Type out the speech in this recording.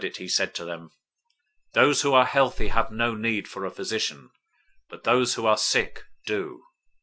009:012 When Jesus heard it, he said to them, "Those who are healthy have no need for a physician, but those who are sick do.